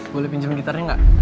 boleh pinjem gitarnya gak